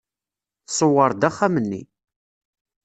Tṣewwer-d axxam-nni.